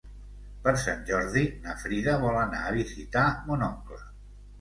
Per Sant Jordi na Frida vol anar a visitar mon oncle.